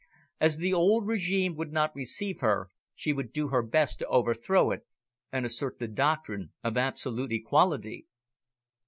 As the old regime would not receive her, she would do her best to overthrow it, and assert the doctrine of absolute equality.